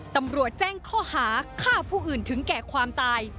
ตำรวจแจ้งข้อหาฆ่าผู้อื่นถึงแก่ความตาย